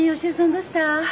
どうした？